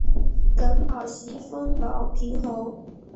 耿宝袭封牟平侯。